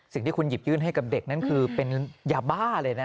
สิ่งที่คุณหยิบยื่นให้กับเด็กนั้นคือเป็นยาบ้าเลยนะ